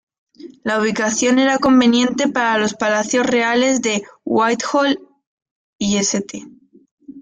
La ubicación era conveniente para los palacios reales de Whitehall y St.